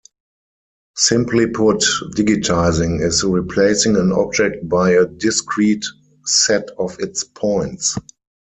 Simply put, digitizing is replacing an object by a discrete set of its points.